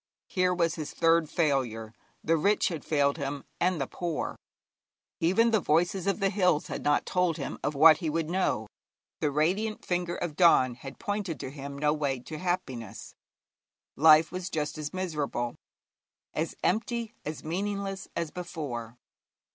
Here was his third failure. The rich had failed him, and the poor; even the voices of the hills had not told him of what he would know; the radiant finger of dawn had pointed to him no way to happiness. Life was just as miserable, as empty, as meaningless, as before.